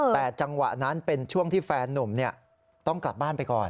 แต่จังหวะนั้นเป็นช่วงที่แฟนนุ่มต้องกลับบ้านไปก่อน